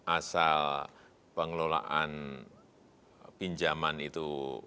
asal pengelolaan pinjaman itu